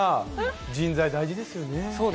人材、大事ですよね。